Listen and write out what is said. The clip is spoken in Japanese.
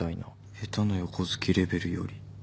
「下手の横好きレベルより」